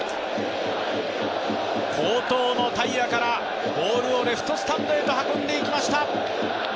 好投の平良からボールをレフトスタンドへと運んでいきました。